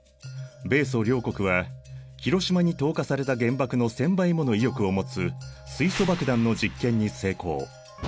米ソ両国は広島に投下された原爆の１，０００倍もの威力を持つ水素爆弾の実験に成功。